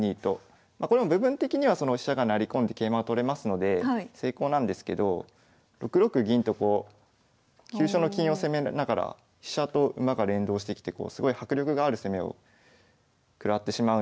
これも部分的には飛車が成り込んで桂馬を取れますので成功なんですけど６六銀とこう急所の金を攻めながら飛車と馬が連動してきてすごい迫力がある攻めを食らってしまうので。